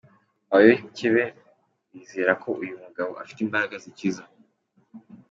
Abayoboke be bizera ko uyu mugabo afite imbaraga zikiza.